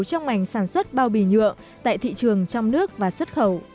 trong mảnh sản xuất bao bì nhựa tại thị trường trong nước và xuất khẩu